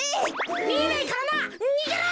みえないからな。にげろ！